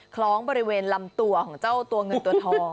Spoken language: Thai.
คล้องบริเวณลำตัวของเจ้าตัวเงินตัวทอง